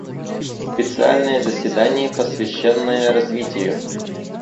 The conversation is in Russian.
Специальное заседание, посвященное развитию.